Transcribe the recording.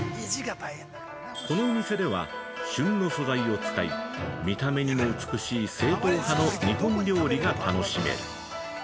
このお店では、旬の素材を使い、見た目にも美しい正統派の日本料理が楽しめる。